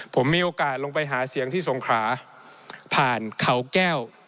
ผมมีโอกาสลงไปหาเสียงที่สงขราผ่านเขาแก้ว